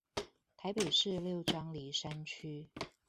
臺北市六張犁山區